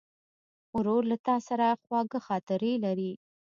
ورور له تا سره خواږه خاطرې لري.